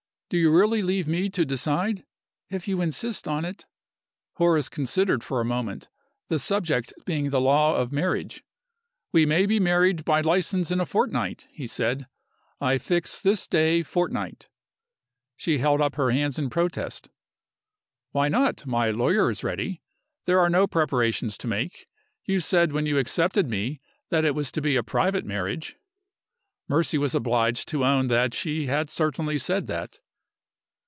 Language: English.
"Do you really leave me to decide?" "If you insist on it." Horace considered for a moment the subject being the law of marriage. "We may be married by license in a fortnight," he said. "I fix this day fortnight." She held up her hands in protest. "Why not? My lawyer is ready. There are no preparations to make. You said when you accepted me that it was to be a private marriage." Mercy was obliged to own that she had certainly said that.